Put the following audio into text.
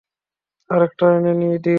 আরেকটা এনে দিও।